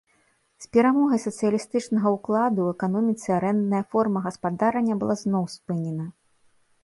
З перамогай сацыялістычнага ўкладу ў эканоміцы арэндная форма гаспадарання была зноў спынена.